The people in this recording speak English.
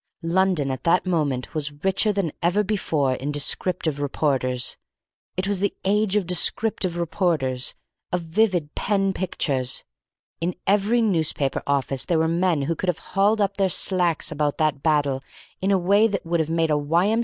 London at that moment was richer than ever before in descriptive reporters. It was the age of descriptive reporters, of vivid pen pictures. In every newspaper office there were men who could have hauled up their slacks about that battle in a way that would have made a Y.M.